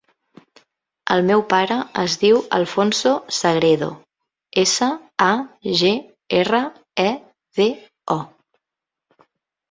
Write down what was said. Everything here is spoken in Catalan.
El meu pare es diu Alfonso Sagredo: essa, a, ge, erra, e, de, o.